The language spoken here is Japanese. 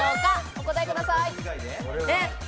お答えください。